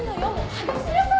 剥がしなさいよ！